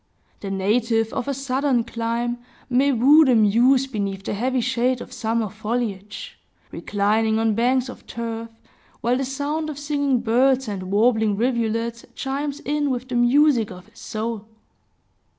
The native of a southern clime may woo the muse beneath the heavy shade of summer foliage, reclining on banks of turf, while the sound of singing birds and warbling rivulets chimes in with the music of his soul.